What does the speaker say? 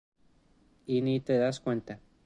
y ni te das cuenta